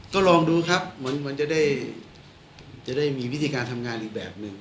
ก็ลองดูครับเหมือนจะได้มีวิธีการทำงานอีกแบบหนึ่ง